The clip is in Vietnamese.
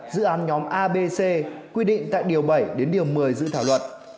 dự án nhóm abc quy định tại điều bảy đến điều một mươi dự thảo luật